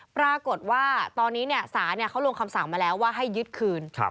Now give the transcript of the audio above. ปรากฏว่าตอนนี้ศาลเขาลงคำสั่งมาแล้วว่าให้ยึดคืน